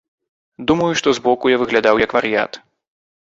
Думаю, што збоку я выглядаў як вар'ят.